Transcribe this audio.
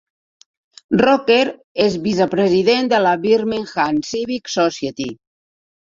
Rooker és vicepresident de la Birmingham Civic Society.